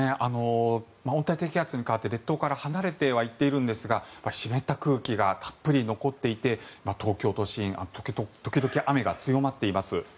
温帯低気圧に変わって列島から離れてはいっているんですが湿った空気がたっぷり残っていて東京都心時々、雨が強まっています。